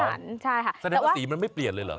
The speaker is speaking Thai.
สำเร็จว่าสีมันไม่เปลี่ยนเลยเหรอ